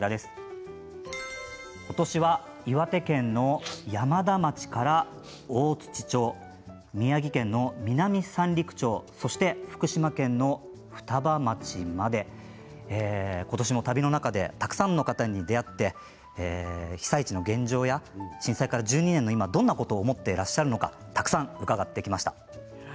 今年は岩手県の山田町から大槌町、宮城県の南三陸町、そして福島県の双葉町まで今年も旅の中でたくさんの方に出会って被災地の現状や、震災から１２年の今どんなことを思ってらっしゃるのか、たくさん伺ってきました。